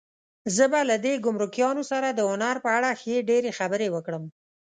زه به له دې ګمرکیانو سره د هنر په اړه ښې ډېرې خبرې وکړم.